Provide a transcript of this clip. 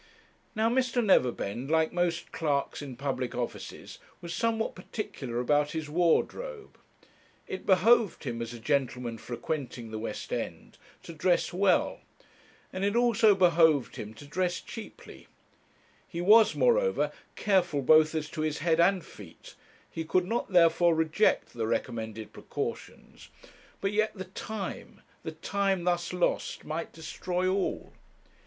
Now Mr. Neverbend, like most clerks in public offices, was somewhat particular about his wardrobe; it behoved him, as a gentleman frequenting the West End, to dress well, and it also behoved him to dress cheaply; he was, moreover, careful both as to his head and feet; he could not, therefore, reject the recommended precautions, but yet the time! the time thus lost might destroy all.